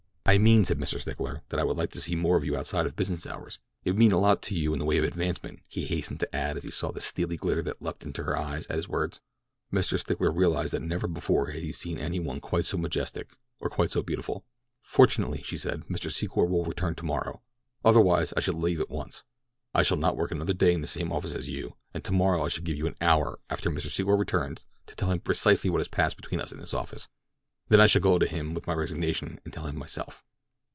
"I mean," said Mr. Stickler, "that I would like to see more of you outside of business hours—it will mean a lot to you in the way of advancement," he hastened to add as he saw the steely glitter that leaped to her eyes at his words. June Lathrop rose. Mr. Stickler realized that never before had he seen any one quite so majestic, or quite so beautiful. "Fortunately," she said, "Mr. Secor will return tomorrow. Otherwise I should leave at once. I shall not work another day in the same office with you, and tomorrow I shall give you an hour after Mr. Secor returns to tell him precisely what has passed between us in this office, then I shall go to him with my resignation and tell him myself."